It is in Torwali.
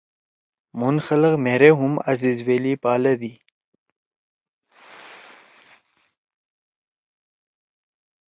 مُھن خلگ مھیرے ہُم عزیزویلی پالدی۔